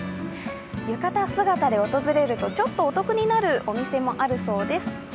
浴衣姿で訪れるとちょっとお得になるお店もあるそうです。